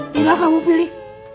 tinggal kamu pilih